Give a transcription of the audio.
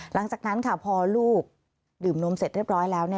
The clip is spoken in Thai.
หลังจากนั้นค่ะพอลูกดื่มนมเสร็จเรียบร้อยแล้ว